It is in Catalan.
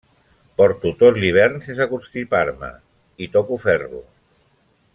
Porto tot l'hivern sense constipar-me. I toco ferro!